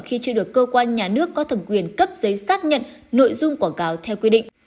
khi chưa được cơ quan nhà nước có thẩm quyền cấp giấy xác nhận nội dung quảng cáo theo quy định